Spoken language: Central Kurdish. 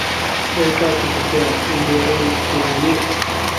ئۆی کاکی جووتیار، ئهی وهی رێم توولانییه